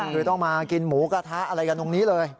คือต้องมากินหมูกระทะอะไรกันตรงนี้เลย